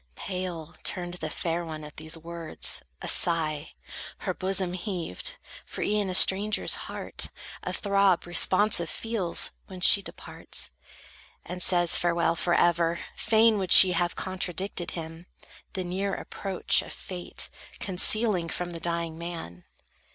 Pale turned the fair one at these words; a sigh Her bosom heaved; for e'en a stranger's heart A throb responsive feels, when she departs, And says farewell forever. Fain would she Have contradicted him, the near approach Of fate concealing from the dying man.